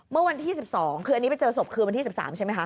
เมื่อวันที่๑๒คืออันนี้ไปเจอศพคืนวันที่๑๓ใช่ไหมคะ